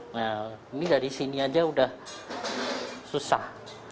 nah ini dari sini saja sudah susah